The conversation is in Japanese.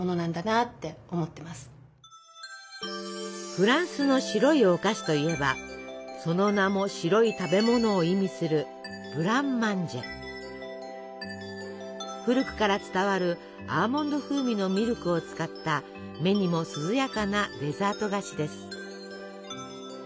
フランスの白いお菓子といえばその名も白い食べ物を意味する古くから伝わるアーモンド風味のミルクを使った目にも涼やかなデザート菓子です。